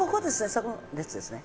そこの列ですね。